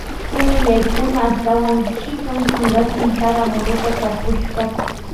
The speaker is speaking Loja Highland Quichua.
Kunuyaykuna ashtawan sikan chinkachin sara muru tarpushkata.